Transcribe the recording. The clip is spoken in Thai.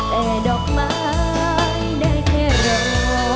แต่ดอกไม้ได้แค่รอ